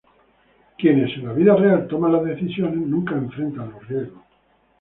Quienes, en la vida real, toman las decisiones nunca enfrentan los riesgos.